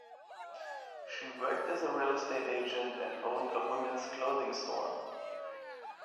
She worked as a real estate agent and owned a women's clothing store.